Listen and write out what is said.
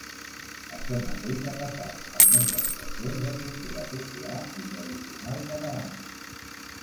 Això mateix ha passat amb més expressions de cultura popular i tradicional catalanes.